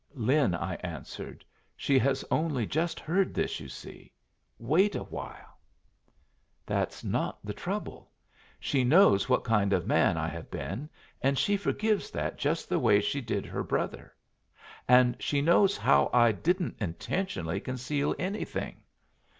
"Lin," I answered, "she has only just heard this, you see. Wait awhile." "That's not the trouble. She knows what kind of man I have been, and she forgives that just the way she did her brother. And she knows how I didn't intentionally conceal anything.